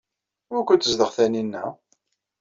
Wukud tezdeɣ Taninna?